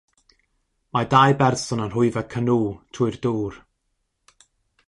Mae dau berson yn rhwyfo canŵ trwy'r dŵr.